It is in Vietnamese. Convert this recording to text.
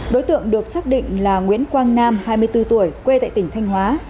đối tượng được xác định là nguyễn quang nam hai mươi bốn tuổi quê tại tỉnh thanh hóa